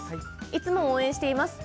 いつも応援しています。